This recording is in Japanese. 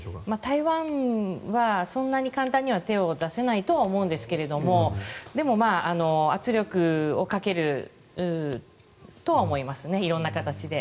台湾はそんなに簡単には手を出せないと思うんですがでも、圧力をかけるとは思いますね、色んな形で。